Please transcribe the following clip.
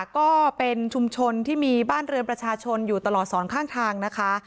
ก็เป็นชุมชนที่มีบ้านเรือนประชาชนอยู่ตลอดสอนข้างทางนะคะ